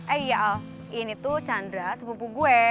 eh iya ini tuh chandra sepupu gue